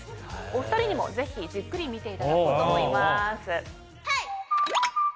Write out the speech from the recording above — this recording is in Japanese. お２人にもぜひじっくり見ていただこうと思います。